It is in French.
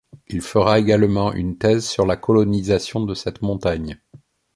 Il fera également une thèse sur la colonisation de cette montagne.